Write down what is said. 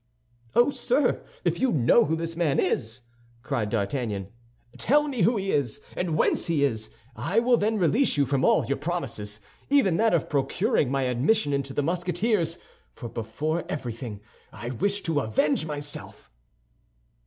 "Oh, sir, if you know who this man is," cried D'Artagnan, "tell me who he is, and whence he is. I will then release you from all your promises—even that of procuring my admission into the Musketeers; for before everything, I wish to avenge myself."